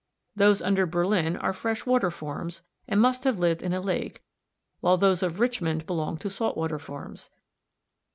Those under Berlin are fresh water forms, and must have lived in a lake, while those of Richmond belong to salt water forms.